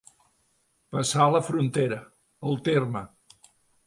Passar la frontera, el terme.